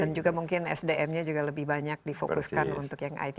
dan juga mungkin sdm nya juga lebih banyak difokuskan untuk yang it